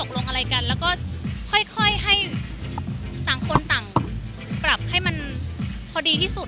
ลงอะไรกันแล้วก็ค่อยให้ต่างคนต่างปรับให้มันพอดีที่สุด